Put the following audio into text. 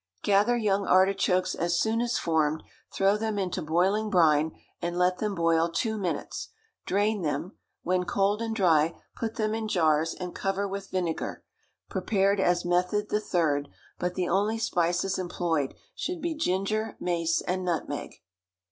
Gather young artichokes as soon as formed; throw them into boiling brine, and let them boil two minutes; drain them; when cold and dry, put them in jars, and cover with vinegar, prepared as method the third, but the only spices employed should be ginger, mace, and nutmeg.